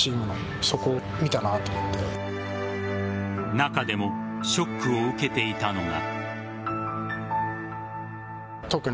中でもショックを受けていたのが。